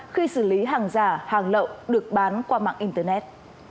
khi xử lý hàng giả hàng lậu được bán qua mạng internet